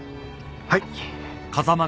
はい。